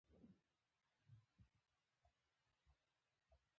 غور د پښتو ادب په تاریخ کې یو ځلیدونکی ستوری دی